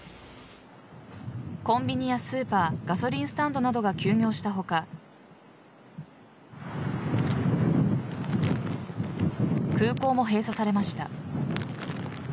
コンビニやスーパーガソリンスタンドなどが休業した他空港も閉鎖されました。